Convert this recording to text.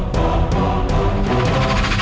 kamu kenapa dad